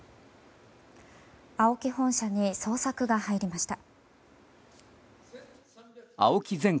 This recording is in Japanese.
本社に捜索が入りました。